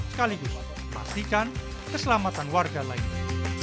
sekaligus pastikan keselamatan warga lainnya